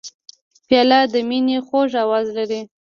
پیاله د مینې خوږ آواز لري.